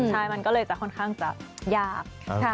ใช่มันก็เลยจะค่อนข้างจะยาก